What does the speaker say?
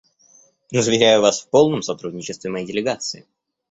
Заверяю Вас в полном сотрудничестве моей делегации.